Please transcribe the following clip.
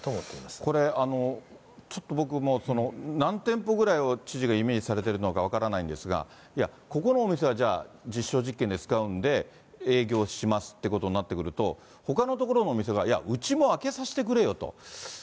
これ、ちょっと僕、何店舗ぐらいを、知事がイメージされてるのか分からないんですが、いや、ここのお店はじゃあ、実証実験で使うんで、営業しますっていうことになってくると、ほかのところのお店が、いや、うちも開けさせてくれよと。